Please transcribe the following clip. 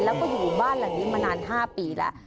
แล้วก็อยู่บ้านหลังนี้มานาน๕ปีแล้ว